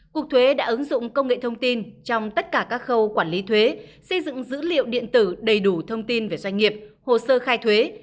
cục thuế đã ứng dụng công nghệ thông tin trong tất cả các khâu quản lý thuế xây dựng dữ liệu điện tử đầy đủ thông tin về doanh nghiệp hồ sơ khai thuế